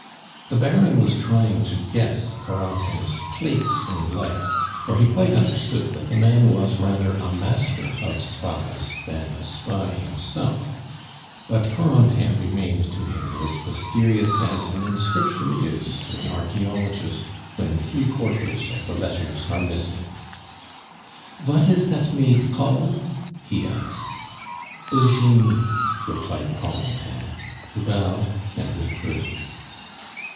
The Baron was trying to guess Corentin's place in life, for he quite understood that the man was rather a master of spies than a spy himself; but Corentin remained to him as mysterious as an inscription is to an archaeologist when three quarters of the letters are missing. "Vat is dat maid called?" he asked. "Eugenie," replied Corentin, who bowed and withdrew.